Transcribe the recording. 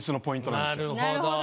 なるほど。